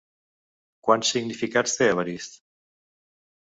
Quants significats té Evarist?